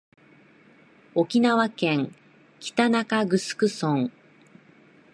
沖縄県北中城村